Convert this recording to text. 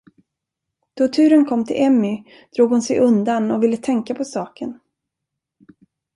Då turen kom till Emmy, drog hon sig undan och ville tänka på saken.